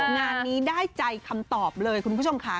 งานนี้ได้ใจคำตอบเลยคุณผู้ชมค่ะ